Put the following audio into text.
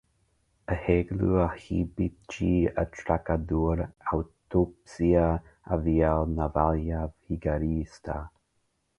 arrêglo, arribite, atracador, autópsia, avião, navalha, vigarista